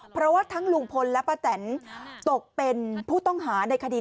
เพราะว่าทั้งลุงพลและป้าแตนตกเป็นผู้ต้องหาในคดี